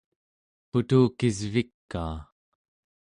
putukisvikaa